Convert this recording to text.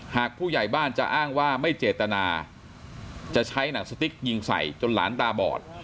หากผู้ใหญ่บ้านจะอ้างว่าไม่เจตนาจะใช้หนังสติ๊กยิงใส่จนหลานตาบอด